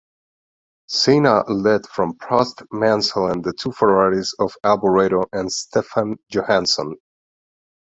Senna led from Prost, Mansell and the two Ferraris of Alboreto and Stefan Johansson.